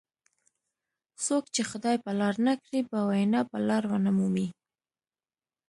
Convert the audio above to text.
څوک چې خدای په لار نه کړي په وینا به لار ونه مومي.